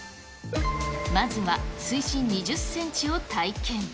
まずは水深２０センチを体験。